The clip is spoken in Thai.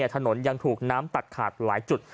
ถนนยังถูกน้ำตัดขาดหลายจุด